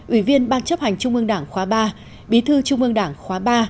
ủy viên ban chấp hành trung ương đảng khóa ba bí thư trung ương đảng khóa ba